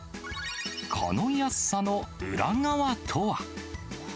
この安さの裏側とは。